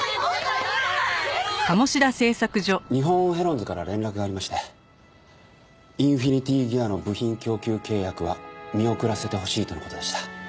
日本ヘロンズから連絡がありましてインフィニティギアの部品供給契約は見送らせてほしいとの事でした。